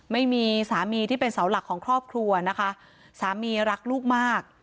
ไม่มีสามีที่เป็นเสาหลักของครอบครัวนะคะสามีรักลูกมาก